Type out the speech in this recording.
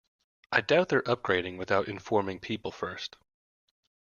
I doubt they're upgrading without informing people first.